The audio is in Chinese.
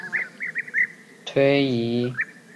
近年的推移如下表。